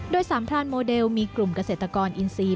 โดยสามพรานโมเดลมีกลุ่มเกษตรกรอินซี